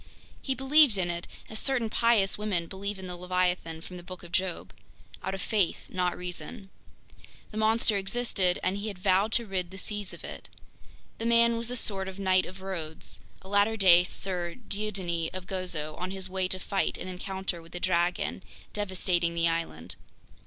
He believed in it as certain pious women believe in the leviathan from the Book of Job—out of faith, not reason. The monster existed, and he had vowed to rid the seas of it. The man was a sort of Knight of Rhodes, a latter day Sir Dieudonné of Gozo, on his way to fight an encounter with the dragon devastating the island.